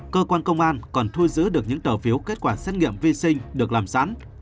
cơ quan công an còn thu giữ được những tờ phiếu kết quả xét nghiệm vi sinh được làm sẵn